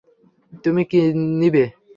তুমি কী নিবে?